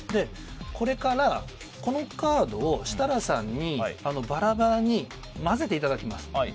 これからこのカードを設楽さんにバラバラに混ぜていただきます。